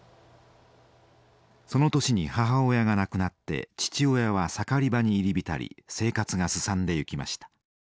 その年に母親が亡くなって父親は盛り場に入り浸り生活がすさんでいきました。